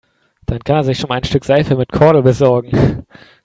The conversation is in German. Dann kann er sich schon einmal ein Stück Seife mit Kordel besorgen.